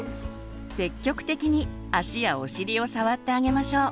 積極的に足やお尻を触ってあげましょう。